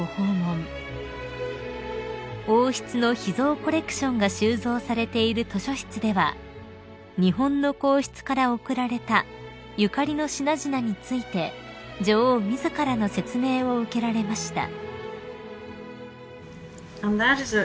［王室の秘蔵コレクションが収蔵されている図書室では日本の皇室から贈られたゆかりの品々について女王自らの説明を受けられました］